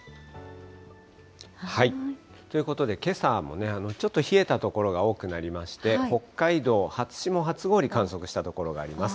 ということで、けさもね、ちょっと冷えた所が多くなりまして、北海道、初霜、初氷、観測した所があります。